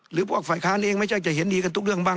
หรือพวกฝ่ายค้านเองไม่ใช่จะเห็นดีกันทุกเรื่องบ้าง